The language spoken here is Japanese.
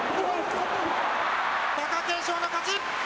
貴景勝の勝ち。